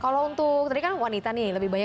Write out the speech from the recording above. kalau untuk tadi kan wanita nih lebih banyak